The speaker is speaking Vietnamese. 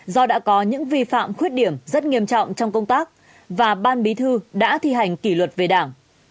do đã có những vi phạm khuyết điểm rất nghiêm trọng trong công tác và ban bí thư đã thi hành kỷ luật về đảng